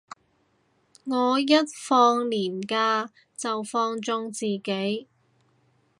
我一放連假就放縱自己